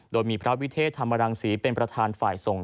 โดยมีพระวิเทศธรรมรังศรีเป็นประธานฝ่ายส่ง